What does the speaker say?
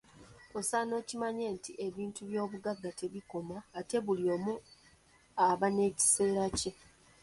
Osaana okimanye nti ebintu ng’obugagga tebikoma ate buli omu aba n’ekiseera kye.